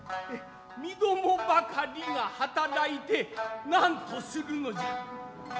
身共ばかりが働いて何とするのじゃ。